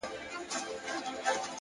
پرمختګ د جرئت او ثبات اولاد دی,